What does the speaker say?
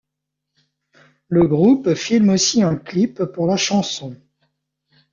Le groupe filme aussi un clip pour la chanson '.